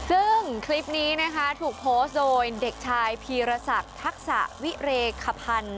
ซึ่งคลิปนี้นะคะถูกโพสต์โดยเด็กชายพีรศักดิ์ทักษะวิเรคพันธ์